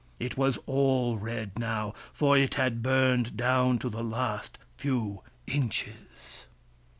It was all red now, for it had burned down to the last few inches.